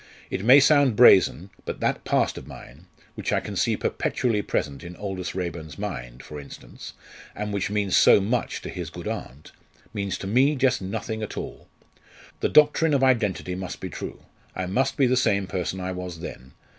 It may sound brazen, but that past of mine, which I can see perpetually present in Aldous Raeburn's mind, for instance, and which means so much to his good aunt, means to me just nothing at all! The doctrine of identity must be true I must be the same person I was then.